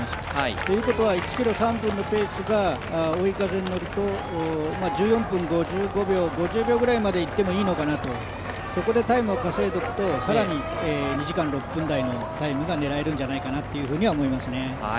ということは１ｋｍ３分のペースが追い風になると１４分５５秒、５０秒ぐらいまでいってもいいのかなと、そこでタイムを稼いでおくと更に２時間６分台のタイムが狙えるんじゃないかなと思いますね。